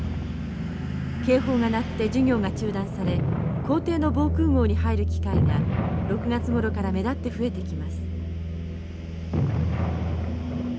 警報が鳴って授業が中断され校庭の防空ごうに入る機会が６月ごろから目立って増えてきます。